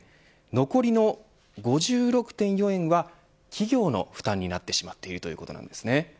残りの５６．４円は企業の負担になってしまっているということなんですね。